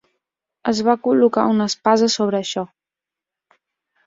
Es va col·locar una espasa sobre això.